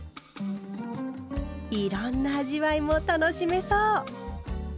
いろんな味わいも楽しめそう！